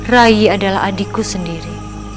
rai adalah adikku sendiri